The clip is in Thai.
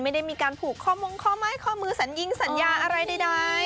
ไม่ได้มีการผูกขอมงขอมายขอมือสัญญาอะไรใดนะ